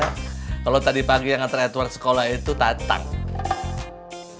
tentang hal ini ya kalau tadi pagi yang teretual sekolah itu tatangnya itu ada yang berbicara tentang